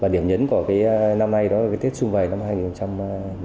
điểm nhấn của năm nay là tết chung vầy năm hai nghìn một mươi tám